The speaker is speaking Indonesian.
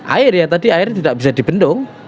air ya tadi air tidak bisa dibendung